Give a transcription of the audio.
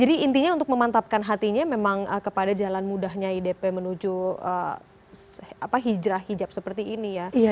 jadi intinya untuk memantapkan hatinya memang kepada jalan mudahnya idp menuju hijrah hijab seperti ini ya